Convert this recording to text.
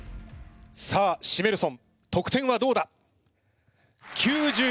さあシメルソン得点はどうだ？９５．４９３！